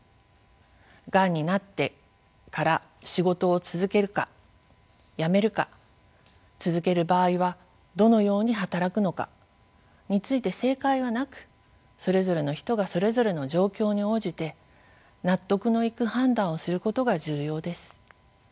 がんになってから仕事を続けるか辞めるか続ける場合はどのように働くのかについて正解はなくそれぞれの人がそれぞれの状況に応じて納得のいく判断をすることが重要です。